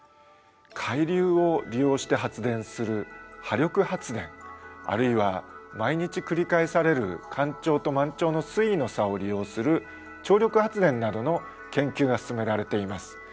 海流を利用して発電する「波力発電」あるいは毎日繰り返される干潮と満潮の水位の差を利用する「潮力発電」などの研究が進められています。